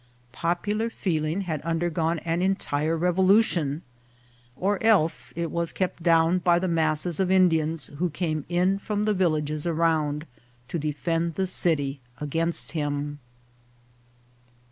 Popular feeling had undergone an en tire revolution, or else it was kept down by the masses of Indians who came in from the villages around to de fend the city against him.